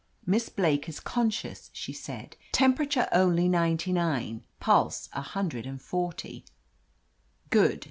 "Miss Blake is conscious," she said. "Tem perature only ninety nine, pulse a hundred and forty/* "Good